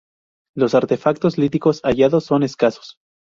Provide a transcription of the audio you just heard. Los artefactos líticos hallados son escasos.